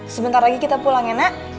sebentar lagi kita pulang ya nak